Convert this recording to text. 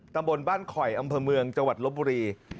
ตำบลบ้านคอยอำเภอเมืองจังหวัดลบบุรี